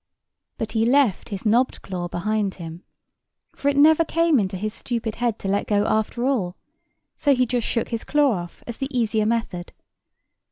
But he left his knobbed claw behind him; for it never came into his stupid head to let go after all, so he just shook his claw off as the easier method.